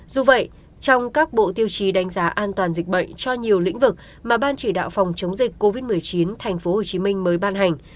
dù vậy trong các bộ tiêu chí đánh giá an toàn dịch bệnh cho nhiều lĩnh vực mà ban chỉ đạo phòng chống dịch covid một mươi chín tp hcm mới ban hành